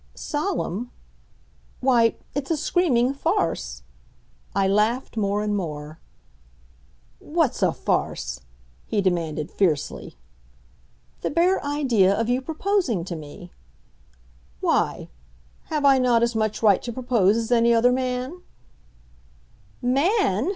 "Solemn why, it's a screaming farce!" I laughed more and more. "What's a farce?" he demanded fiercely. "The bare idea of you proposing to me." "Why? Have I not as much right to propose as any other man?" "Man!"